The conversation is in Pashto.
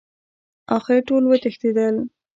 اخر ټول وتښتېدل.